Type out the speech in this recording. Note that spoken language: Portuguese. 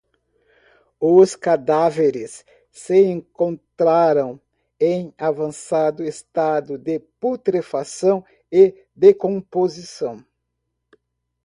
Os cadáveres se encontraram em avançado estado de putrefação e decomposição